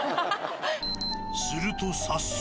すると早速。